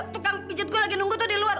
tukang pijat gue lagi nunggu tuh di luar